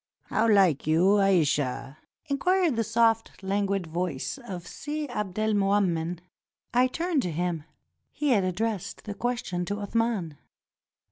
"How like you Aisha?" inquired the soft, languid voice of Si Abdelmoummen. I turned to him. He had addressed the question to Athman.